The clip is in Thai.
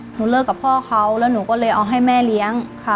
เลิกกับพ่อเขาแล้วหนูก็เลยเอาให้แม่เลี้ยงค่ะ